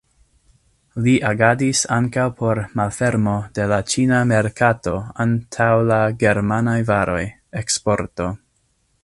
Li agadis ankaŭ por malfermo de la ĉina merkato antaŭ la germanaj varoj, eksporto.